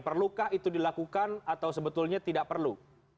perlukah itu dilakukan atau sebetulnya tidak perlu